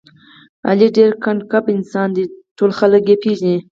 علي ډېر ګنډ کپ انسان دی، ټول خلک یې پېژني.